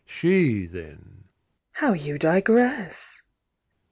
She then: "How you digress!"